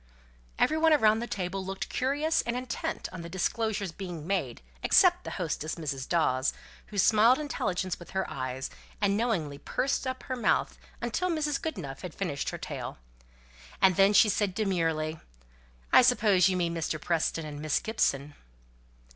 Every one around the table looked curious and intent on the disclosures being made, except the hostess, Mrs. Dawes, who smiled intelligence with her eyes, and knowingly pursed up her mouth until Mrs. Goodenough had finished her tale. Then she said demurely, "I suppose you mean Mr. Preston and Miss Gibson?"